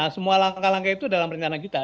semua langkah langkah itu dalam rencana kita